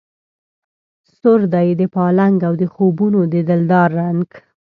سور دی د پالنګ او د خوبونو د دلدار رنګ